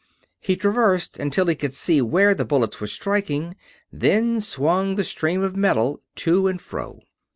He traversed until he could see where the bullets were striking: then swung the stream of metal to and fro.